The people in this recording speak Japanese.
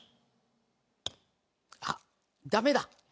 あっダメだ。